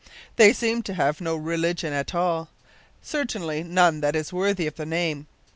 They seem to have no religion at all. Certainly none that is worthy of the name.